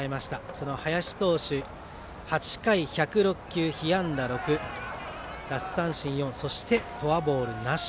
その林投手、８回、１０６球被安打６、奪三振４そしてフォアボールなし。